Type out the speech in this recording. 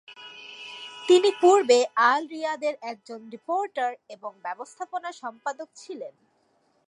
তিনি পূর্বে "আল রিয়াদের" একজন রিপোর্টার এবং ব্যবস্থাপনা সম্পাদক ছিলেন।